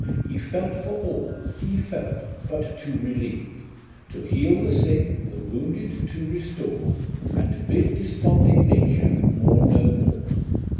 He felt for all he felt but to relieve, To heal the sick the wounded to restore, And bid desponding nature mourn no more.